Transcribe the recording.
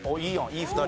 いい２人。